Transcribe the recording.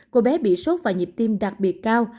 cô bé bị sốt và nhịp tim đặc biệt cao